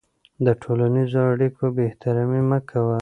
د ټولنیزو اړیکو بېاحترامي مه کوه.